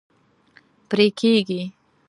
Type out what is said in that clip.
پرې کیږي